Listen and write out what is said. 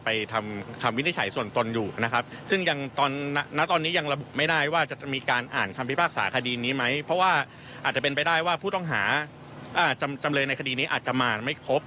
เพราะว่าอาจจะเป็นไปได้ว่าผู้ต้องหาจำเลยในคดีนี้อาจจะมาไม่ครบ